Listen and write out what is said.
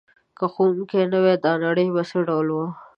که ښوونکی نه وای دا نړۍ به څه ډول وه؟